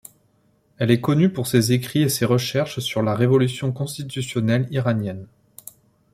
Elle est connue pour ses écrits et ses recherches sur la révolution constitutionnelle iranienne.